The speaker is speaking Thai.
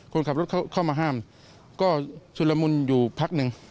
คนขับรถเข้ามาห้ามก็ชุดละมุนอยู่พักหนึ่ง